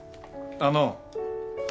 あの。